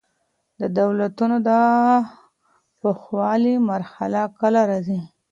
د دولتونو د پوخوالي مرحله کله راځي؟